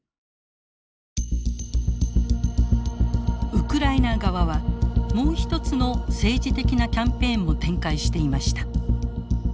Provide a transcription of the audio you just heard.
ウクライナ側はもうひとつの政治的なキャンペーンも展開していました。